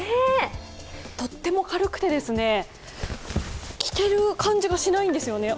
とっても軽くて、着ている感じがしないんですね、